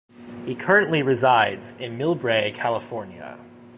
He currently resides in Millbrae, California.